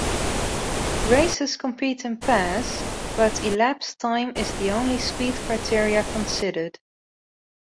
Races compete in pairs but elapsed time is the only speed criteria considered.